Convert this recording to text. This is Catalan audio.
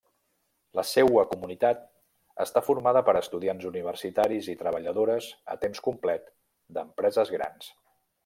La seua comunitat està formada per estudiants universitaris i treballadores a temps complet d'empreses grans.